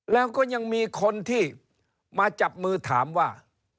แล้วก็ยังมีคนที่มาจับมือถามว่า